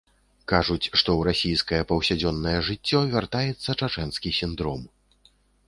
Кажуць, што ў расійскае паўсядзённае жыццё вяртаецца чачэнскі сіндром.